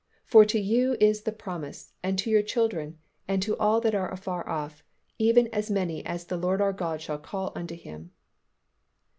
For to you is the promise, and to your children, and to all that are afar off, even as many as the Lord our God shall call unto Him."